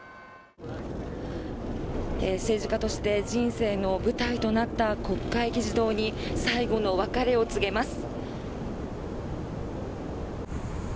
政治家として人生の舞台となった国会議事堂に最後の別れを告げます。